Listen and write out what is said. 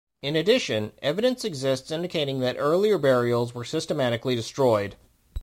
In addition, evidence exists indicating that earlier burials were systematically destroyed.